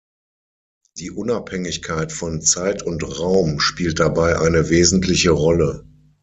Die Unabhängigkeit von Zeit und Raum spielt dabei eine wesentliche Rolle.